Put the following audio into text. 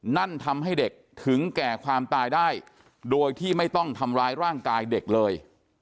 นั่นทำให้เด็กถึงแก่ความตายได้โดยที่ไม่ต้องทำร้ายร่างกายเด็กเลย